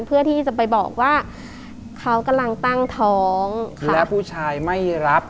เพื่อที่จะไปบอกว่าเขากำลังตั้งท้องและผู้ชายไม่รับ